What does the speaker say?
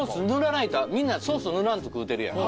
みんなソース塗らんと食うてるやん。